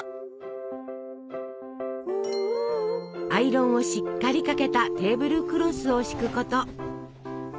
アイロンをしっかりかけたテーブルクロスを敷くこと。